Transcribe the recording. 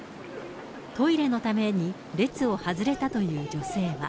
トイレのために列を外れたという女性は。